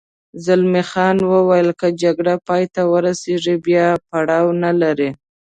زلمی خان وویل: که جګړه پای ته ورسېږي بیا پروا نه لري.